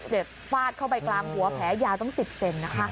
เสร็จฟาดเข้าไปกลามหัวแผลยาต้องสิบเซ็นนะคะ